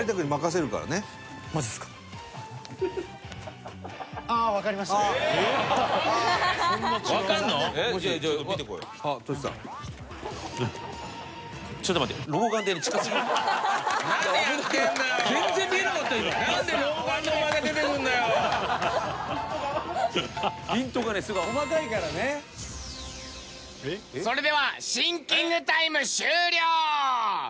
それではシンキングタイム終了！